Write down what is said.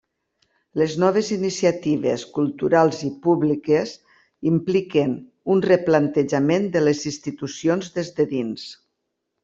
Les noves iniciatives culturals i públiques impliquen un replantejament de les institucions des de dins.